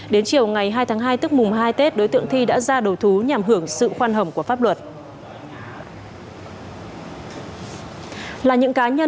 đến chiều ngày hai tháng hai tức mùng hai tết đối tượng thi đã ra đầu thú nhằm hưởng sự khoan hồng của pháp luật